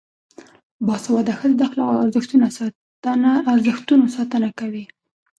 باسواده ښځې د اخلاقي ارزښتونو ساتنه کوي.